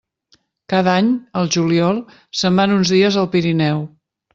Cada any, al juliol, se'n van uns dies al Pirineu.